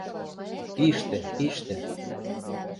Пиштӹ, пиштӹ...